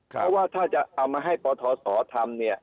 เพราะว่าถ้าจะเอามาให้ปทศทำเนี่ย